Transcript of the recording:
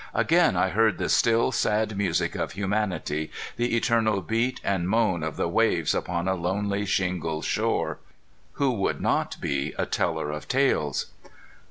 Again I heard the still, sad music of humanity, the eternal beat and moan of the waves upon a lonely shingle shore. Who would not be a teller of tales?